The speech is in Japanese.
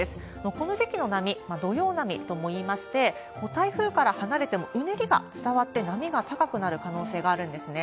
この時期の波、土用波ともいいまして、台風から離れても、うねりが伝わって波が高くなる可能性があるんですね。